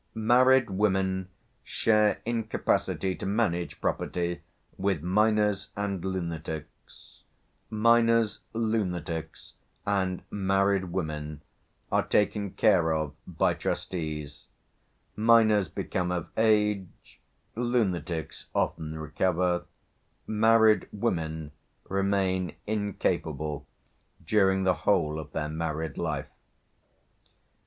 Married women share incapacity to manage property with minors and lunatics; minors, lunatics, and married women are taken care of by trustees; minors become of age, lunatics often recover, married women remain incapable during the whole of their married life.